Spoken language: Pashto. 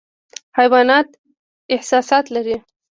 حیوانات احساسات لري